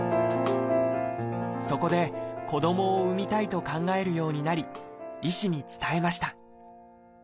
そこで子どもを産みたいと考えるようになり医師に伝えました。